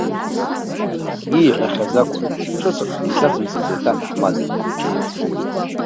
Ииҳәахьаз акәын, ҿыц акгьы изацымҵеит аҭаҳмада.